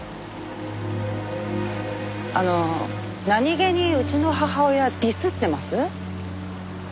あの何げにうちの母親ディスってます？